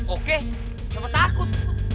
oke gak apa apa takut